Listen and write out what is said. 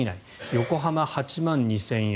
横浜、８万２０００円。